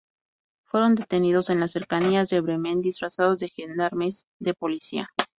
Fueron detenidos en las cercanías de Bremen disfrazados de gendarmes de Policía.